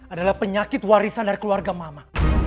adalah penyakit warisan dari keluarga mama